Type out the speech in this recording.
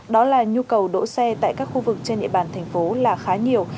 đó là nhu cầu đỗ xe tại các khu vực trên địa bàn thành phố là khá nhiều